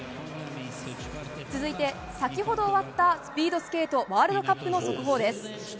続いて先ほど終わったスピードスケートワールドカップの速報です。